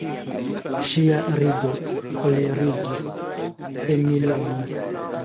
Ŝia rido kolerigis Emilon.